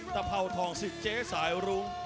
ตะเผ่าทองสิเจสายรุง